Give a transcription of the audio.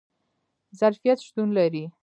ظرفیت شتون لري